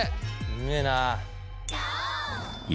うめえな。